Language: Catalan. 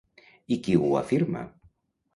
I qui ho afirma?